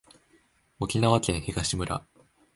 沖縄県東村